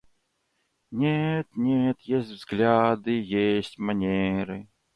Нет, нет, есть взгляды, есть манеры.